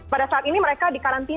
pada saat ini mereka dikarantina